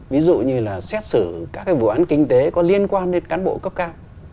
ví dụ như là xét xử các vụ án kinh tế có liên quan đến cán bộ cấp cao